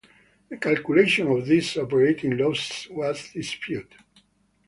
The calculation of these operating losses was disputed.